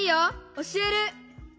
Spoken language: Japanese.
おしえる。